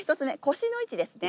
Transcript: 腰の位置ですね。